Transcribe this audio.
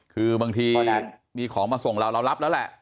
คือบางทีมีของมาส่งเราเรารับแล้วแหละ